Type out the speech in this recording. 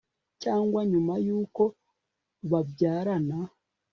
cyangwa nyuma y'uko babyarana